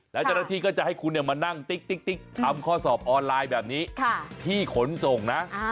แล้วเจ้าหน้าที่ก็จะให้คุณมานั่งติ๊กทำข้อสอบออนไลน์แบบนี้ที่ขนส่งนะ